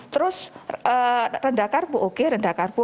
terus rendah karbu oke rendah karbu